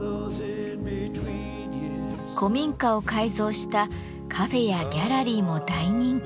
古民家を改造したカフェやギャラリーも大人気。